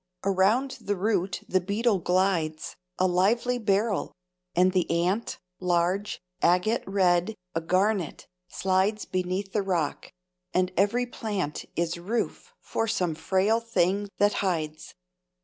Around the root the beetle glides, A living beryl; and the ant, Large, agate red, a garnet, slides Beneath the rock; and every plant Is roof for some frail thing that hides.